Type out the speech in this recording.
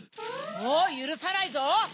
もうゆるさないぞ！